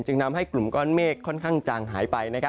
ทำให้กลุ่มก้อนเมฆค่อนข้างจางหายไป